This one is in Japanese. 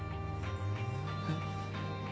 えっ？